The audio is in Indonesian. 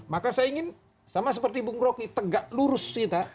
maka saya ingin sama seperti bung roky tegak lurus kita